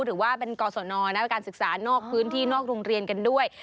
หรือว่าเป็นกรสนการศึกษานอกพื้นที่นอกโรงเรียนกันด้วย